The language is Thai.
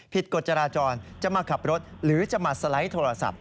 กฎจราจรจะมาขับรถหรือจะมาสไลด์โทรศัพท์